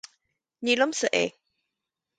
ní liomsa é